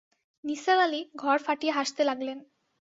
নিসার আলি ঘর ফাটিয়ে হাসতে লাগলেন।